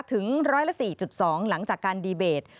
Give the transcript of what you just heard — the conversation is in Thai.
ถึง๑๐๔๒หลังจากการดีเบต